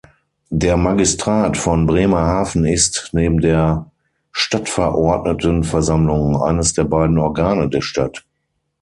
Der Magistrat von Bremerhaven ist, neben der Stadtverordnetenversammlung, eines der beiden Organe der Stadt.